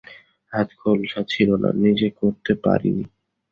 হাত খোলসা ছিল না, নিজে করতে পারি নি।